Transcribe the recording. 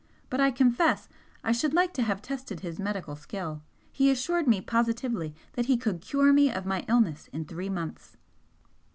But I confess I should like to have tested his medical skill he assured me positively that he could cure me of my illness in three months."